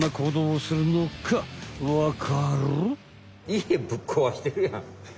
いえぶっこわしてるやん。